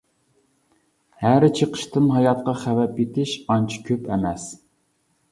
ھەرە چېقىشتىن ھاياتقا خەۋپ يېتىش ئانچە كۆپ ئەمەس.